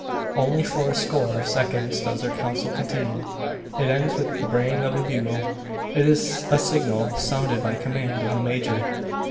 Only for a score of seconds does their council continue. It ends with the braying of a bugle. It is a signal sounded by command of the major.